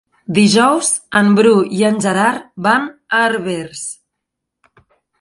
Dijous en Bru i en Gerard van a Herbers.